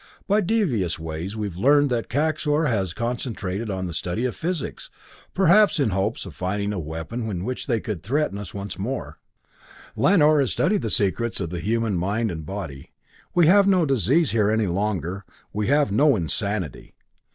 By devious ways we've learned that Kaxor has concentrated on the study of physics, perhaps in hopes of finding a weapon with which they could threaten us once more. Lanor has studied the secrets of the human mind and body. We have no disease here any longer; we have no insanity.